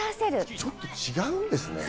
ちょっと違うんですね。